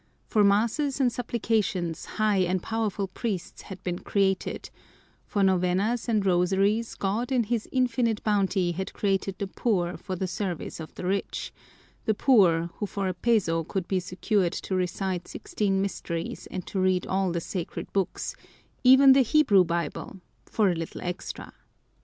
For masses and supplications high and powerful priests had been created; for novenas and rosaries God in His infinite bounty had created the poor for the service of the rich the poor who for a peso could be secured to recite sixteen mysteries and to read all the sacred books, even the Hebrew Bible, for a little extra.